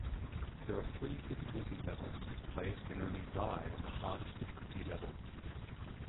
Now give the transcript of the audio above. There are three difficulty levels; players can only "die" on the hardest difficulty level.